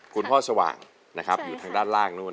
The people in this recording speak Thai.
คุณพ่อสว่างอยู่ด้านล่าง